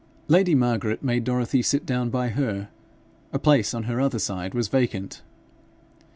Lady Margaret made Dorothy sit down by her. A place on her other side was vacant.